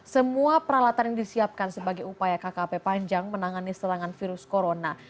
semua peralatan yang disiapkan sebagai upaya kkp panjang menangani serangan virus corona